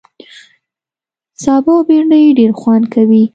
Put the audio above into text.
سابه او بېنډۍ ډېر خوند کوي